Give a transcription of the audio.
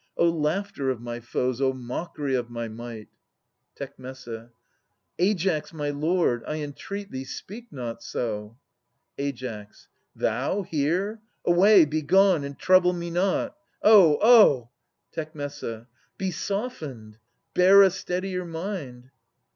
O laughter of my foes ! O mockery of my might. Tec. Aias, my lord ! I entreat thee, speak not so ! Ai. Thou here ! Away ! begone, and trouble me not ! O! O! Tec. Be softened ! bear a steadier mind